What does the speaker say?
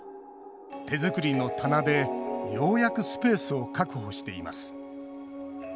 手作りの棚で、ようやくスペースを確保しています。